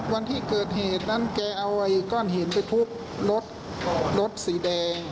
วันที่เกิดเหตุนั้นแกเอาไอ้ก้อนหินไปทุบรถรถสีแดง